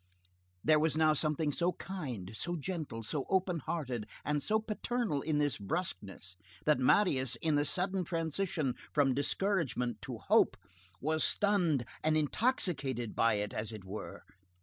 There was now something so kind, so gentle, so openhearted, and so paternal in this brusqueness, that Marius, in the sudden transition from discouragement to hope, was stunned and intoxicated by it, as it were.